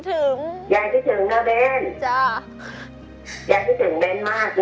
อือ